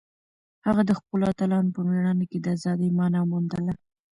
هغه د خپلو اتلانو په مېړانه کې د ازادۍ مانا موندله.